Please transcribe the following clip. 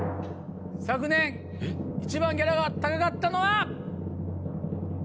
昨年一番ギャラが高かったのは。